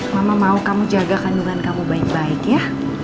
mama mau kamu jaga kandungan kamu baik baik ya